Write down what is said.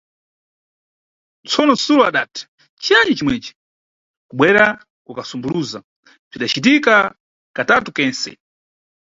Tsono, Sulo adati "ciyani cimweci" kubwerera kuka sumbuluza, bzidacitika katatu kense.